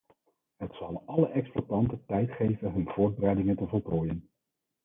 Het zal alle exploitanten tijd geven hun voorbereidingen te voltooien.